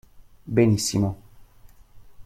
Benissimo.